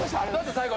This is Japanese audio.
最後。